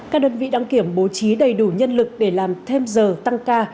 các đơn vị đăng kiểm bố trí đầy đủ nhân lực để làm thêm giờ tăng ca